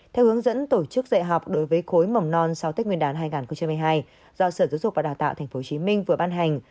theo hướng dẫn tổ chức dạy học đối với khối mầm non sau tết nguyên đán hai nghìn hai mươi hai do sở giáo dục và đào tạo tp hcm vừa ban hành